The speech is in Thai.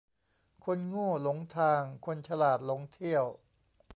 คนโง่หลงทางคนฉลาดหลงเที่ยว